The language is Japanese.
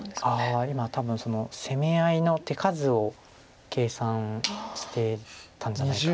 ああ今多分攻め合いの手数を計算してたんじゃないかなと思います。